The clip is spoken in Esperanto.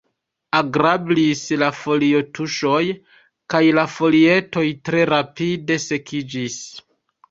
Agrablis la folio-tuŝoj kaj la folietoj tre rapide sekiĝis.